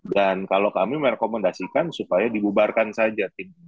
dan kalau kami merekomendasikan supaya dibubarkan saja tim